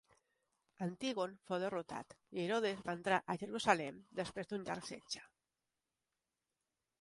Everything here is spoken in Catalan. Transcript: Antígon fou derrotat i Herodes va entrar a Jerusalem després d'un llarg setge.